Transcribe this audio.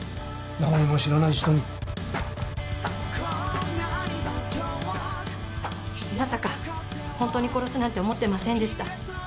名前も知らない人にまさか本当に殺すなんて思ってませんでした